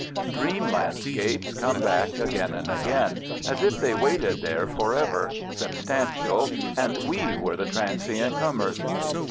Dream landscapes come back again and again, as if they waited there forever, substantial, and we were the transient comers.